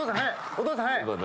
お父さん速い！